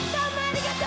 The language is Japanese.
ありがとう！